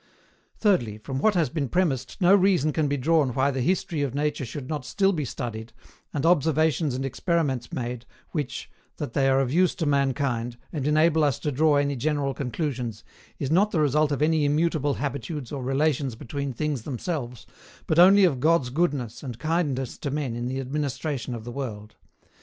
Thirdly, from what has been premised no reason can be drawn why the history of nature should not still be studied, and observations and experiments made, which, that they are of use to mankind, and enable us to draw any general conclusions, is not the result of any immutable habitudes or relations between things themselves, but only of God's goodness and kindness to men in the administration of the world.